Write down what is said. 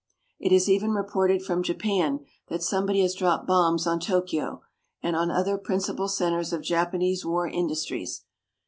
It is even reported from Japan that somebody has dropped bombs on Tokyo, and on other principal centers of Japanese war industries.